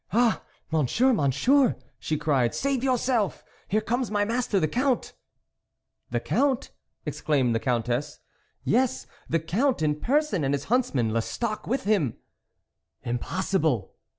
" Ah ! Monsieur, Monsieur " she cried " save yourself ! here comes my master the Count !"" The Count !" exclaimed the Countess. " Yes, the Count in person, and his huntsman Lestocq, with him." " Impossible